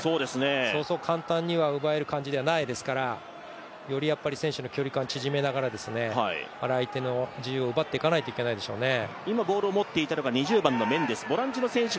そうそう簡単に奪える感じではないですからより選手の距離感を縮めながら相手の自由を奪っていかないといけないでしょうね。